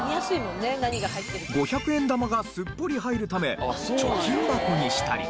５００円玉がすっぽり入るため貯金箱にしたり。